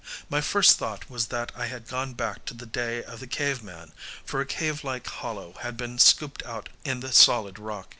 My first thought was that I had gone back to the day of the cave man, for a cave like hollow had been scooped out in the solid rock.